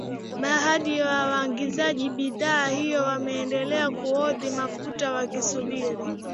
Baadhi ya waagizaji bidhaa hiyo wameendelea kuhodhi mafuta wakisubiri